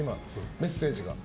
メッセージが。